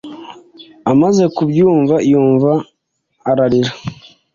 Amaze kubyumva yumva arira